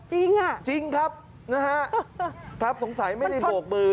จริงอ่ะจริงครับนะฮะครับสงสัยไม่ได้โบกมือ